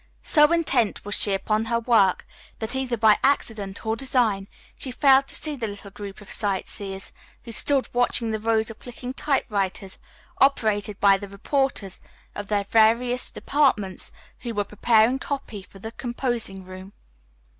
So intent was she upon her work, that, either by accident or design, she failed to see the little group of sight seers, who stood watching the rows of clicking typewriters, operated by the reporters of the various departments who were preparing copy for the composing room.